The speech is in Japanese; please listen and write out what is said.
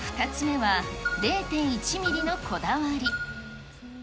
２つ目は、０．１ミリのこだわり。